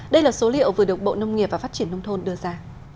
đây là số liệu vừa được bộ nông nghiệp và phát triển nông thôn đưa ra